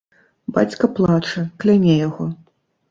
Бацька плача, кляне яго.